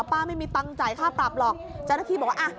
ป้าไม่มีตังค์จ่ายค่าปรับหรอกเจ้าหน้าที่บอกว่าอ่ะ